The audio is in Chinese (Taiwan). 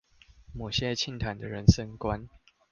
某些清談的人生觀